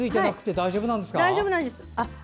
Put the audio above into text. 大丈夫なんです。